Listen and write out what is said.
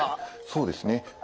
そうですね。